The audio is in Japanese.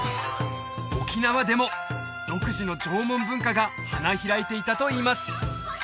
沖縄でも独自の縄文文化が花開いていたといいます